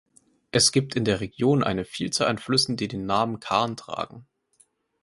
Es gibt in der Region eine Vielzahl an Flüssen die den Namen Kan tragen.